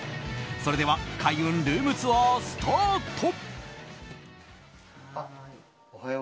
それでは開運ルームツアースタート！